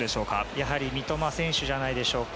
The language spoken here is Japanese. やはり三笘選手じゃないでしょうか。